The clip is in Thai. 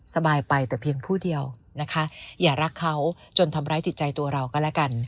สบายไปแต่เพียงผู้เดียวนะคะอย่ารักเขาจนทำร้ายจิตใจตัวเราก็แล้วกัน